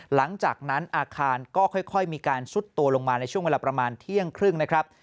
หลังจากนั้นอาคารก็ค่อยมีการซุดตัวลงมาในช่วงเวลาประมาณเที่ยงครึ่งนะครับ